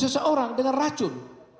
seseorang dengan racun